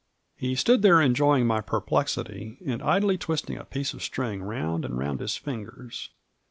He stood there enjoying my perplexity and idly twisting a piece of string round and round his fingers.